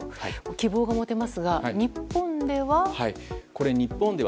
希望が持てますが、日本では。